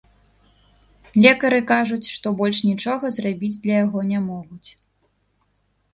Лекары кажуць, што больш нічога зрабіць для яго не могуць.